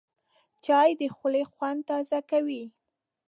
چای د خولې خوند تازه کوي